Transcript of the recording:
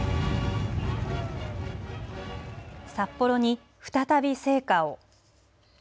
札幌に再び聖火を。